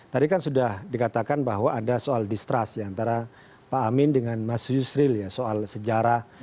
tadi kan sudah dikatakan bahwa ada soal distrust antara pak amin dengan mas yusril ya soal sejarah